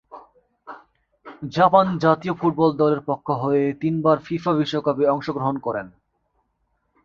Japan জাতীয় football দলের পক্ষ হয়ে তিনবার ফিফা বিশ্বকাপে অংশগ্রহণ করেন।